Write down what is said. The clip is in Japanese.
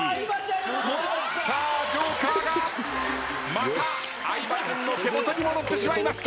ＪＯＫＥＲがまた相葉君の手元に戻ってしまいました。